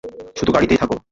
শুধু গাড়িতেই থাক।